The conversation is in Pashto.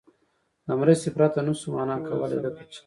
له مرستې پرته نه شو مانا کولای، لکه چې